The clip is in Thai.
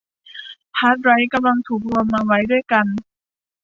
ฮาร์ดไดรฟ์กำลังถูกรวมมาไว้ด้วยกัน